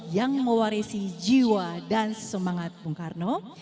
yang mewarisi jiwa dan semangat bung karno